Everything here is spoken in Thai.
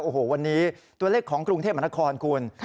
โอ้โหวันนี้ตัวเลขของกรุงเทพมหานครคุณ